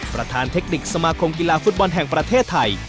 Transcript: ประธานเทคนิคสมาคมกีฬาฟุตบอลแห่งประเทศไทย